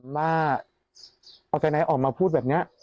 ว่าเอาใจไหนออกมาพูดแบบเนี้ย